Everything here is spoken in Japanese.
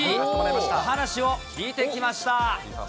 お話を聞いてきました。